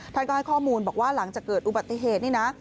ท่านก็ให้ข้อมูลบอกว่าหลังจากเกิดอุบัติเหตุนี่นะ